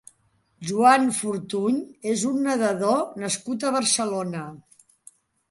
Juan Fortuny és un nedador nascut a Barcelona.